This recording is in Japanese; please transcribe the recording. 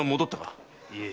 いえ。